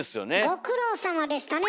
ご苦労さまでしたね